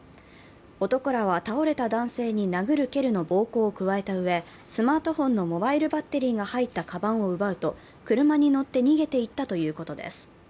男らは倒れた男性に殴る蹴るの暴行を加えたうえ、スマートフォンのモバイルバッテリーが入ったかばんを奪うと車に乗って逃げていったということです。